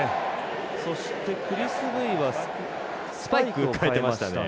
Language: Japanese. クリス・ブイはスパイクを換えましたね。